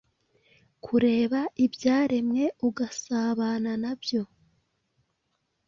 Kureba ibyaremwe, ugasabana na byo,